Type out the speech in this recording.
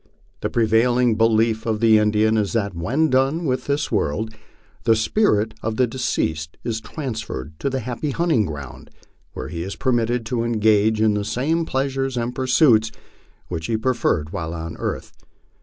The prevailing belief of the Indian is that when done with this world the spirit of the deceased is trans ferred to the " happy hunting ground," where he is permitted to engage in the game pleasures and pursuits which he preferred while on earth.